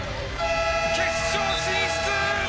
決勝進出！